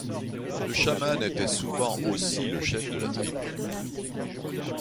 Le chaman était souvent aussi le chef de la tribu.